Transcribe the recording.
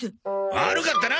悪かったな！